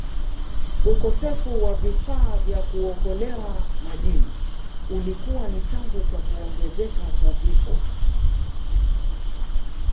Ukosefu wa vifaa vya kuokolea majini ulikuwa ni chanzo cha kuongezeka kwa vifo